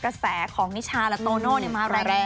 กระแสของนิชาและโตโน่มาแรง